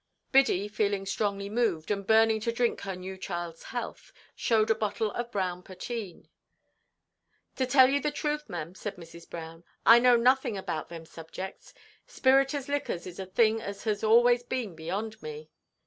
Biddy, feeling strongly moved, and burning to drink her new childʼs health, showed a bottle of brown potheen. "To tell you the truth, mem," said Mrs. Brown, "I know nothing about them subjects. Spirituous liquors is a thing as has always been beyond me."